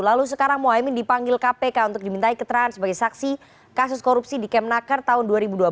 lalu sekarang mohaimin dipanggil kpk untuk dimintai keterangan sebagai saksi kasus korupsi di kemnaker tahun dua ribu dua belas